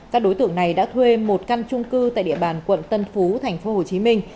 các đối tượng này đã thuê một căn trung cư tại địa bàn quận tân phú thành phố hồ chí minh